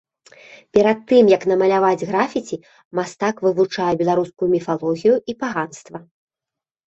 Перад тым, як намаляваць графіці, мастак вывучае беларускую міфалогію і паганства.